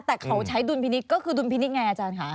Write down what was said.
แต่เขาใช้ดุลพินิษฐ์ก็คือดุลพินิษฐ์ไงอาจารย์ค่ะ